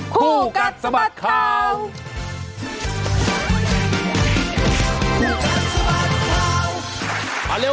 คู่กัดสะบัดข่าว